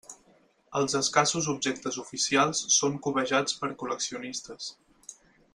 Els escassos objectes oficials són cobejats per col·leccionistes.